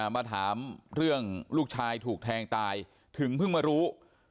มาถามเรื่องลูกชายถูกแทงตายถึงเพิ่งมารู้